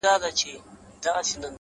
صادق زړه لږ بار وړي,